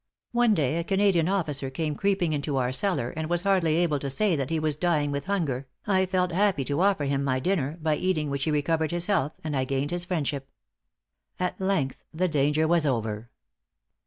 One day a Canadian officer came creeping into our cellar, and was hardly able to say that he was dying with hunger, I felt happy to offer him my dinner, by eating which he recovered his health, and I gained his friendship." At length the danger was over.